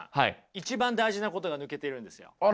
一番大事なことが抜けているんですよ。